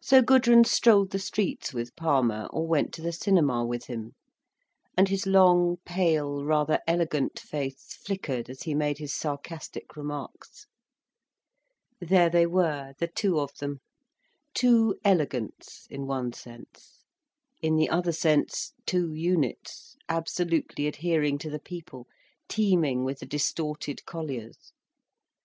So Gudrun strolled the streets with Palmer, or went to the cinema with him. And his long, pale, rather elegant face flickered as he made his sarcastic remarks. There they were, the two of them: two elegants in one sense: in the other sense, two units, absolutely adhering to the people, teeming with the distorted colliers.